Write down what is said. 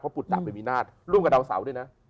ปุตตะเป็นวินาศร่วมกับดาวเสาด้วยนะ